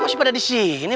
masih ada di sini